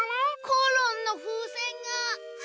コロンのふうせんが。